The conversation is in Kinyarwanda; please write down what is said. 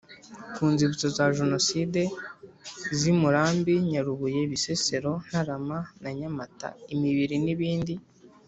ku Nzibutso za Jenoside z i Murambi Nyarubuye Bisesero Ntarama na Nyamata imibiri n ibindi